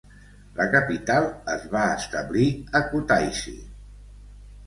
La capital es va establir a Kutaisi.